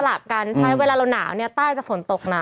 หลับกันใช่เวลาเราหนาวเนี่ยใต้จะฝนตกหนัก